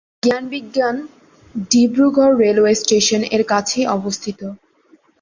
জ্ঞান বিজ্ঞান ডিব্রুগড় রেলওয়ে স্টেশন-এর নিচেই কাছে অবস্থিত।